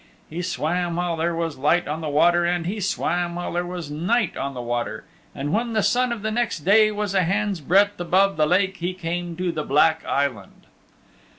He swam while there was light on the water and he swam while there was night on the water, and when the sun of the next day was a hand's breadth above the lake he came to the Black Island.